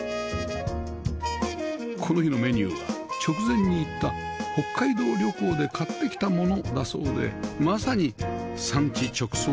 この日のメニューは直前に行った北海道旅行で買ってきたものだそうでまさに産地直送